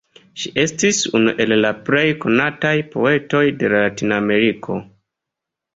Ŝi estis unu el la plej konataj poetoj de Latinameriko.